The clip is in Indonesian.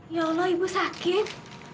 ya allah ibu sakit